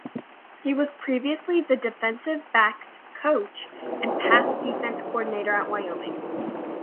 He was previously the defensive backs coach and pass defense coordinator at Wyoming.